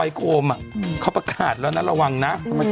โคมเขาประกาศแล้วนะระวังนะ